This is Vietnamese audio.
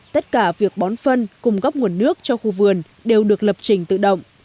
tất cả việc bón phân cung góc nguồn nước cho khu vườn đều được lập trình tự động